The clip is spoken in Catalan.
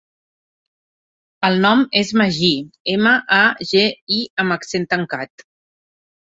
El nom és Magí: ema, a, ge, i amb accent tancat.